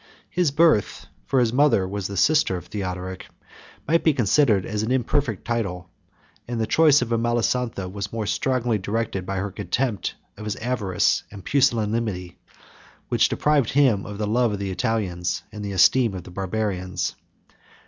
His birth (for his mother was the sister of Theodoric) might be considered as an imperfect title; and the choice of Amalasontha was more strongly directed by her contempt of his avarice and pusillanimity which had deprived him of the love of the Italians, and the esteem of the Barbarians.